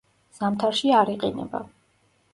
ზამთარში არ იყინება.